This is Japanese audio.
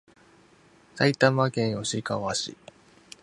埼玉県吉川市